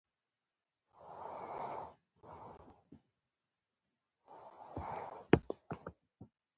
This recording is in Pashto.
صداقت لومړی فصل دی .